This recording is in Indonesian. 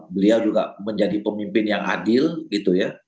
beliau juga menjadi pemimpin yang adil gitu ya